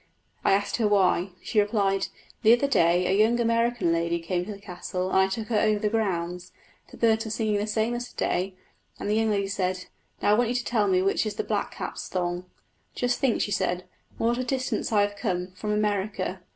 I asked her why. She replied, "The other day a young American lady came to the castle and I took her over the grounds. The birds were singing the same as to day, and the young lady said, 'Now, I want you to tell me which is the blackcap's song. Just think,' she said, 'what a distance I have come, from America!